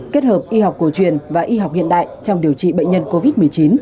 kết hợp y học cổ truyền và y học hiện đại trong điều trị bệnh nhân covid một mươi chín